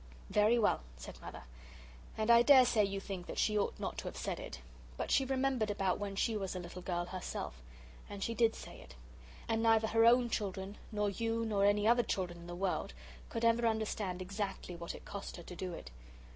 "Very well," said Mother, and I dare say you think that she ought not to have said it. But she remembered about when she was a little girl herself, and she did say it and neither her own children nor you nor any other children in the world could ever understand exactly what it cost her to do it.